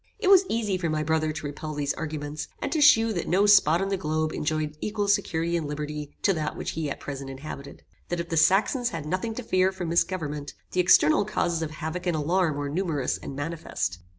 It was easy for my brother to repel these arguments, and to shew that no spot on the globe enjoyed equal security and liberty to that which he at present inhabited. That if the Saxons had nothing to fear from mis government, the external causes of havoc and alarm were numerous and manifest.